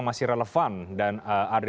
zairah terima kasih